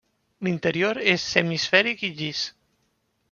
L'interior és semiesfèric i llis.